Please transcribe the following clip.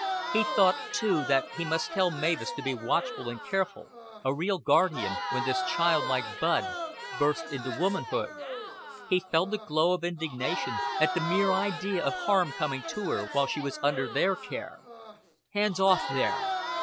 He thought, too, that he must tell Mavis to be watchful and careful, a real guardian, when this childlike bud burst into womanhood. He felt a glow of indignation at the mere idea of harm coming to her while she was under their care. Hands off, there.